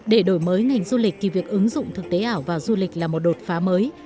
để đổi mới ngành du lịch thì việc ứng dụng thực tế ảo vào du lịch là một đột phá mới